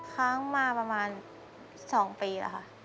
ค้างมาประมาณ๒ปีแล้วค่ะ